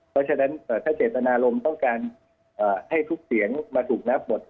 เพราะฉะนั้นถ้าเจตนารมณ์ต้องการให้ทุกเสียงมาถูกนับหมด